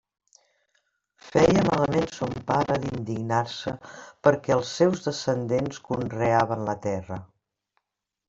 Feia malament son pare d'indignar-se perquè els seus descendents conreaven la terra.